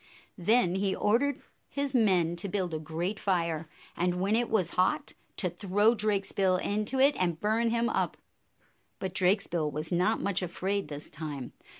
Then he ordered his men to build a great fire, and, when it was hot, to throw Drakesbill into it and burn him up. But Drakesbill was not much afraid this time.